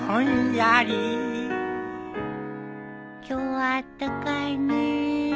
今日はあったかいねえ。